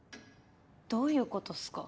どういう事っすか？